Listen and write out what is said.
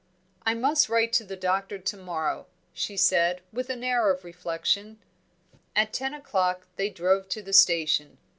"I must write to the Doctor to morrow," she said, with an air of reflection. At ten o'clock they drove to the station.